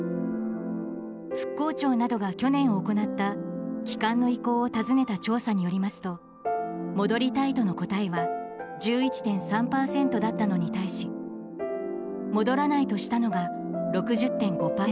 復興庁などが去年行った帰還の意向を尋ねた調査によりますと戻りたいとの答えは１１．３％だったのに対し戻らないとしたのが６０．５％。